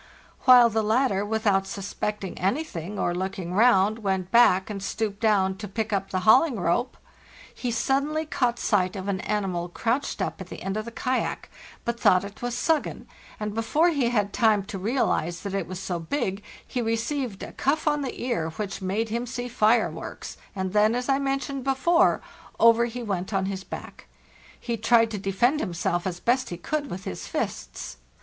While the latter, without suspecting anything or looking round, went back and stooped down to pick up the hauling rope, he suddenly caught sight of an animal crouched up at the end of the kayak, but thought it was 'Suggen', and before he had time to real ize that it was so big he received a cuff on the ear which made him see fireworks, and then, as I mentioned before, over he went on his back. He tried to defend himself as best he could with his fists.